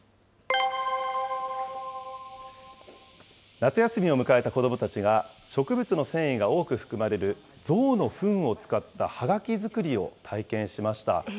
夏休みを迎えた子どもたちが、植物の繊維が多く含まれるゾウのふんを使ったハガキ作りを体験しました。